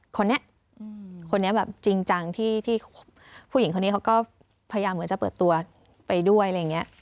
คนนี้คนนี้แบบจริงจังที่ผู้หญิงคนนี้เขาก็พยายามเหมือนจะเปิดตัวไปด้วยอะไรอย่างนี้